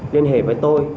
liên hệ với tôi